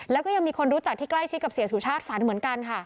แล้วก็ยังมีคนรู้จักที่ใกล้ชิดกับเสียสุชาติฝันเหมือนกันค่ะ